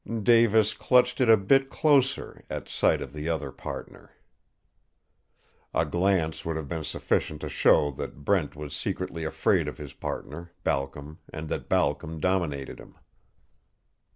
Davis clutched it a bit closer at sight of the other partner. A glance would have been sufficient to show that Brent was secretly afraid of his partner, Balcom, and that Balcom dominated him.